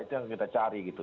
itu yang kita cari gitu